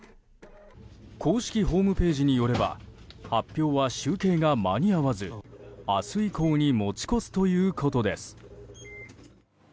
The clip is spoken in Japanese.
公式ホームページによれば発表は集計が間に合わず明日以降に持ち越すということです。